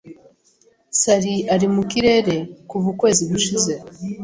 Sally ari mu kirere kuva ukwezi gushize.